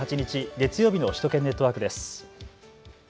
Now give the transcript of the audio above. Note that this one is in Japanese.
月曜日の首都圏ネットワークです。